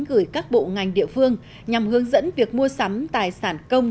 gửi các bộ ngành địa phương nhằm hướng dẫn việc mua sắm tài sản công